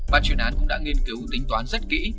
bạn truyền án cũng đã nghiên cứu tính toán rất kỹ